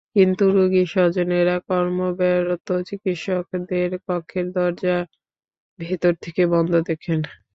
কিন্তু রোগীর স্বজনেরা কর্তব্যরত চিকিৎসকদের কক্ষের দরজা ভেতর থেকে বন্ধ দেখেন।